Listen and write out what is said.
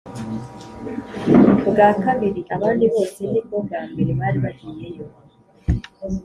bwa kabiri, abandi bose ni bwo bwa mbere bari bagiyeyo.